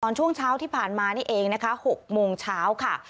ช่วงเช้าที่ผ่านมานี่เองนะคะ๖โมงเช้าค่ะ